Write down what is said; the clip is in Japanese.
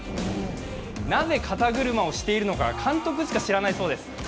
なぜ肩車をしているのか、監督しか知らないそうです。